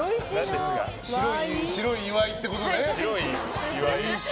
白い岩井ってことね。